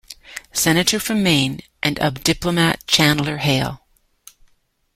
Senator from Maine, and of diplomat Chandler Hale.